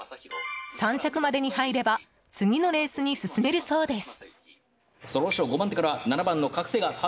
３着までに入れば次のレースに進めるそうです。